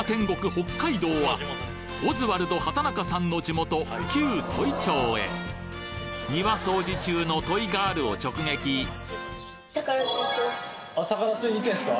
北海道はオズワルド畠中さんの地元旧戸井町へ庭掃除中の戸井ガールを直撃魚釣りに行ってるんですか？